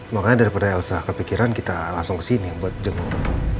makanya daripada elsa kepikiran kita langsung kesini buat jenguk